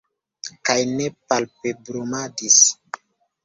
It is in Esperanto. Kaj ne palpebrumadis.